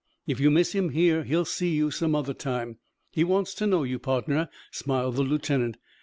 If you miss him here, he will see you some other time. He wants to know you, pardner," smiled the lieutenant.